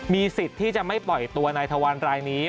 มีสิทธิ์ที่จะไม่ปล่อยตัวนายทวันรายนี้